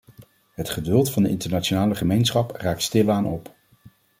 Het geduld van de internationale gemeenschap raakt stilaan op.